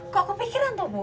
kok kepikiran tuh bu